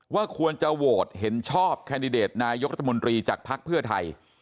ว่าควรจะโหวตเห็นชอบนายกรัฐมนตรีจากพักเพื่อไทย